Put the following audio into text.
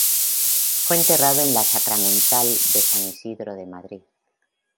Fue enterrado en la Sacramental de San Isidro de Madrid.